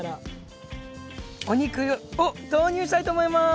お肉を投入したいと思います。